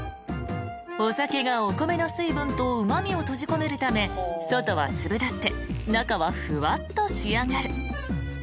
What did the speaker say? ［お酒がお米の水分とうま味を閉じ込めるため外は粒立って中はフワッと仕上がる］